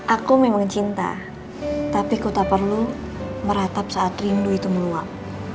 aku memang cinta tapi ku tak perlu meratap saat rindu itu meluap